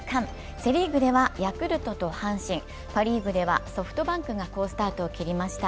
セ・リーグではヤクルトと阪神、パ・リーグではソフトバンクが好スタートを切りました。